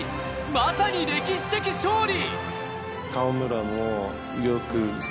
まさに歴史的勝利！